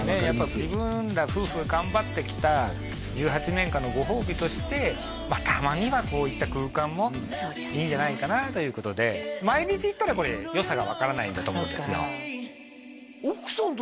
やっぱ自分ら夫婦頑張ってきた１８年間のご褒美としてたまにはこういった空間もいいんじゃないかなということで毎日行ったらこれよさがわからないんだと思うんですよ